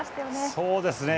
そうですね。